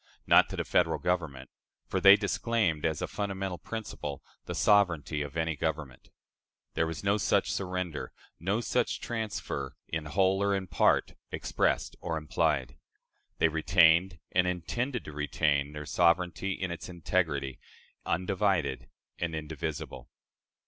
Not to the Federal Government; for they disclaimed, as a fundamental principle, the sovereignty of any government. There was no such surrender, no such transfer, in whole or in part, expressed or implied. They retained, and intended to retain, their sovereignty in its integrity undivided and indivisible.